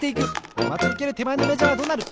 まちうけるてまえのメジャーはどうなる？